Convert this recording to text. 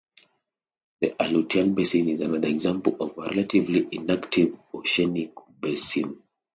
The Aleutian Basin is another example of a relatively inactive oceanic basin.